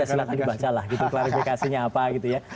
silahkan dibaca lah gitu klarifikasinya apa gitu ya